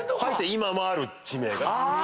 今もある地名が。